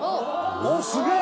おっすげえ！